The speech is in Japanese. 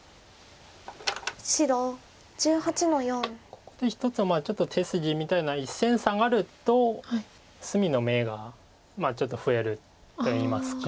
ここで一つちょっと手筋みたいな１線サガると隅の眼がちょっと増えるといいますか。